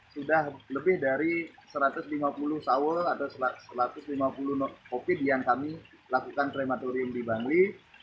sudah lebih dari satu ratus lima puluh covid sembilan belas yang kami lakukan krematorium di bangli